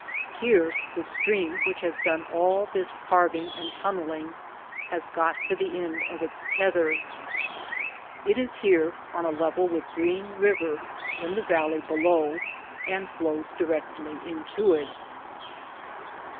Here the stream which has done all this carving and tunneling has got to the end of its tether. It is here on a level with Green River in the valley below and flows directly into it.